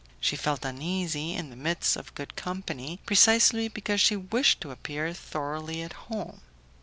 She felt uneasy in the midst of good company, precisely because she wished to appear thoroughly at home.